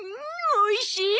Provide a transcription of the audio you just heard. おいしい！